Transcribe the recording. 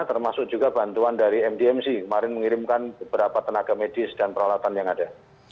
termasuk juga bantuan dari mdmc kemarin mengirimkan beberapa tenaga medis dan peralatan yang ada